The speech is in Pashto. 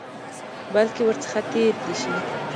بلکې ورڅخه تېر دي شي.